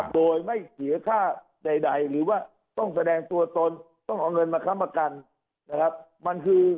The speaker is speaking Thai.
โดยไม่เสียค่าใดหรือว่าต้องแสดงตัวตนต้องเอาเงินมาค้ำประกันนะครับ